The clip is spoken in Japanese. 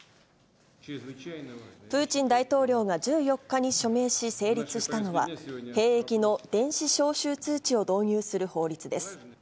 プーチン大統領が１４日に署名し成立したのは、兵役の電子招集通知を導入する法律です。